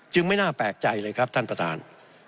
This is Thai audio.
ไม่น่าแปลกใจเลยครับท่านประธาน